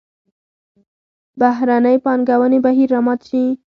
بهرنۍ پانګونې بهیر را مات شي.